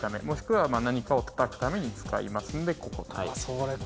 もしくは何かをたたくために使いますんでここ。